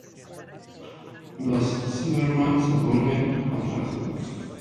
Los Cybermen se vuelven contra la Srta.